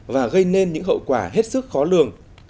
và gây nên những hậu quả hết sức khó lường